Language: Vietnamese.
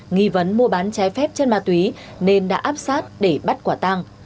nghi vấn mua bán trái phép chân ma túy nên đã áp sát để bắt quả tăng